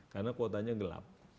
karena kuotanya gelap